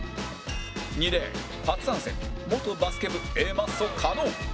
２レーン初参戦元バスケ部 Ａ マッソ加納